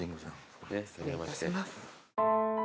失礼いたします。